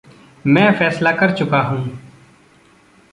मैं फ़ैसला कर चुका हूँ।